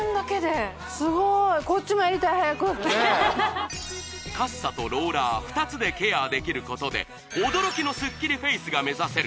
すごーいこっちもやりたい早くカッサとローラー２つでケアできることで驚きのスッキリフェースが目指せる